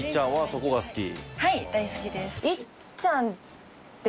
はい大好きです。